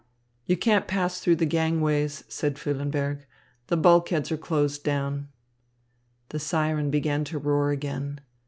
"You can't pass through the gangways," said Füllenberg, "the bulkheads are closed down." The siren began to roar again.